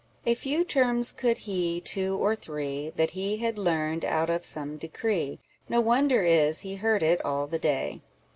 A few termes coude he, two or three, That he had learned out of som decree ; No wonder is, he herd it all the day.